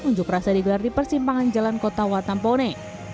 unjuk rasa digelar di persimpangan jalan kota watampone